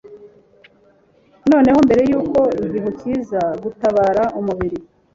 Noneho mbere yuko igihu kiza gutabara umubiri